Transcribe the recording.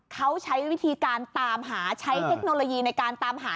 เขาใช้วิธีการตามหาใช้เทคโนโลยีในการตามหา